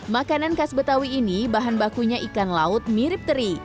makanan khas betawi ini bahan bakunya ikan laut mirip teri